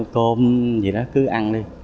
cơm gì đó cứ ăn đi